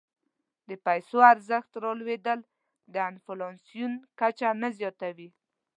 د پیسو ارزښت رالوېدل د انفلاسیون کچه نه زیاتوي.